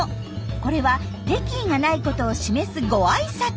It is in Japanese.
これは敵意がないことを示すごあいさつ。